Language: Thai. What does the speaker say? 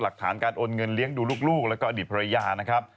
หลักฐานการโอนเงินเลี้ยงดูลูกแล้วก็อดีตภรรยานะครับ